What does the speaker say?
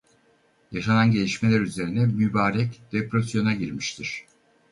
Yaşanan gelişmeler üzerine Mübarek depresyona girmiştir.